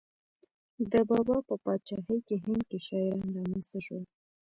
د بابا په پاچاهۍ کې هند کې شاعران را منځته شول.